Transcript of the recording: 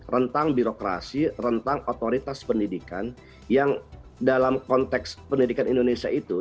rentang birokrasi rentang otoritas pendidikan yang dalam konteks pendidikan indonesia itu